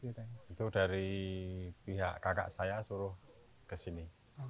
itu dari pihak kakak saya suruh kesini